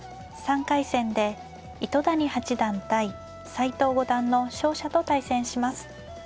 ３回戦で糸谷八段対斎藤五段の勝者と対戦します。